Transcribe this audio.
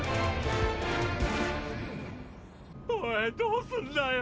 おいどうすんだよ